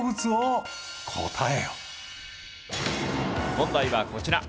問題はこちら。